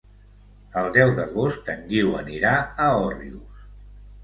El deu d'agost en Guiu anirà a Òrrius.